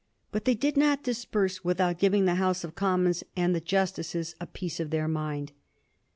But they did not disperse without giving the House of Commons and the Justices a piece of their mind.